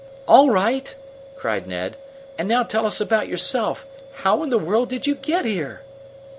"All right!" cried Ned. "And now tell us about yourself. How in the world did you get here?"